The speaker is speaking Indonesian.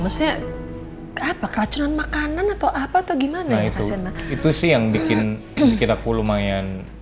musik apa kelacunan makanan atau apa atau gimana itu sih yang bikin bikin aku lumayan